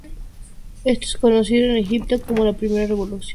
Esto es conocido en Egipto como la Primera Revolución.